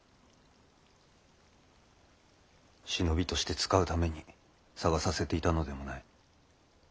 忍びとして使うために捜させていたのでもない。